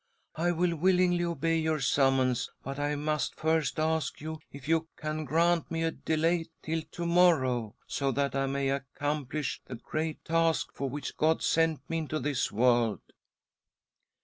'' I will, willingly obey your summons, but I must first ask if you can grant me a delay till to morrow, so that I may accomplish the great task for which God sent me into this world."